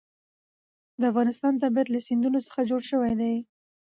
د افغانستان طبیعت له سیندونه څخه جوړ شوی دی.